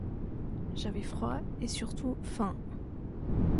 J’avais froid et surtout faim.